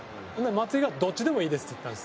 松井が「どっちでもいいです」って言ったんです。